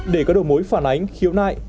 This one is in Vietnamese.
để có đội mối phản ánh khiếu nại